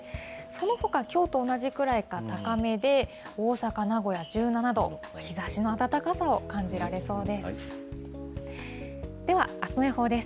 そのほか、きょうと同じくらいか、高めで、大阪、名古屋、１７度、日ざしの暖かさを感じられそうです。